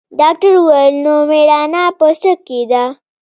ډاکتر وويل نو مېړانه په څه کښې ده.